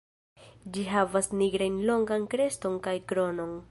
Ĝi havas nigrajn longan kreston kaj kronon.